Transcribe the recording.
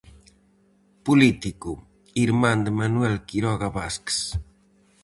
Político, irmán de Manuel Quiroga Vázquez.